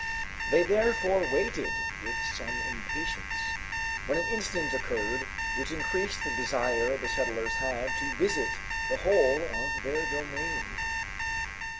They therefore waited with some impatience, when an incident occurred which increased the desire the settlers had to visit the whole of their domain.